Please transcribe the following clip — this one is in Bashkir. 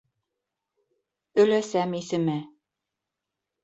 Өләсәм исеме...